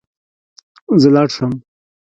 زه لاړ شم